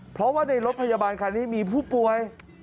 เพราะว่าในรถพยาบาลคันนี้มีผู้ป่วย